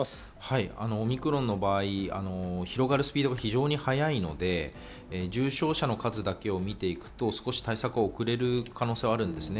オミクロンの場合、広がるスピードが非常に速いので重症者の数だけを見ていくと少し対策が遅れる可能性はあるんですね。